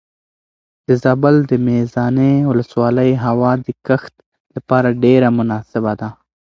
د زابل د میزانې ولسوالۍ هوا د کښت لپاره ډېره مناسبه ده.